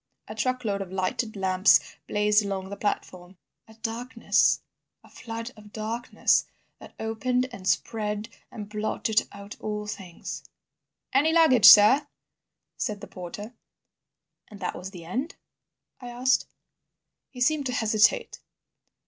A truckload of lighted lamps blazed along the platform. "A darkness, a flood of darkness that opened and spread and blotted out all things." "Any luggage, sir?" said the porter. "And that was the end?" I asked. He seemed to hesitate.